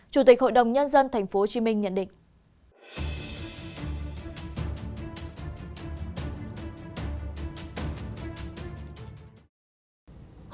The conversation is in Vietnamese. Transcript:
chủ tịch hội đồng nhân dân tp hcm nhận định